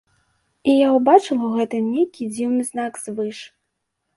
І я ўбачыла ў гэтым нейкі дзіўны знак звыш.